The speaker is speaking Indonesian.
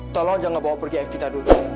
tolong jangan bawa pergi evita dulu